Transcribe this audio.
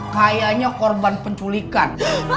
kayaknya korban penculikan